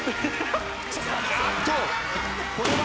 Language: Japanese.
あっとこれは。